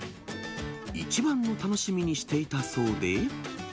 一番の楽しみにしていたそうで。